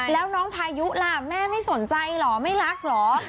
แล้วน้องพายุล่ะแม่ไม่สนใจเหรอไม่รักเหรอ